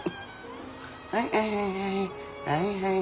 はいはいはいはいはい。